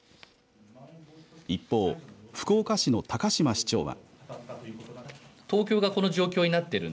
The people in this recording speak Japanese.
一方、福岡市の高島市長は。